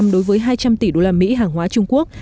đối với hai trăm linh tỷ đô la mỹ hàng hóa trung quốc